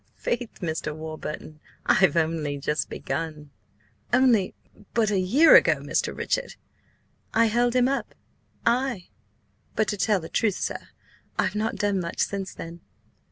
"Faith, Mr. Warburton, I've only just begun!" "Only— But a year ago, Mr. Richard—" "I held him up? Ay, but to tell the truth, sir, I've not done much since then!"